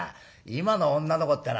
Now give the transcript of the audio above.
今の女の子ってのはな